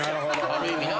ある意味な。